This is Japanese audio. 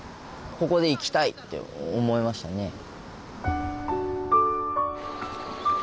ここで生きたいって思いましたね。